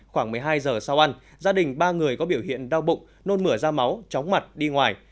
khoảng một mươi hai giờ sau ăn gia đình ba người có biểu hiện đau bụng nôn mửa da máu chóng mặt đi ngoài